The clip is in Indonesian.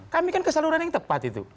kami kan kesaluran yang tepat itu